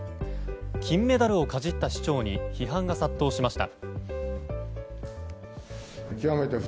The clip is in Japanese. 金メダルをかじった市長に批判が殺到しました。